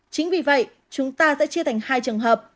chính vì vậy chúng ta sẽ chia thành hai trường hợp